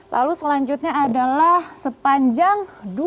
lalu selanjutnya adalah sepanjang dua ribu dua puluh dua